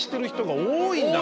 多いんだ！